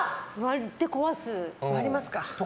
割りますか。